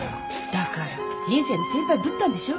だから人生の先輩ぶったんでしょ？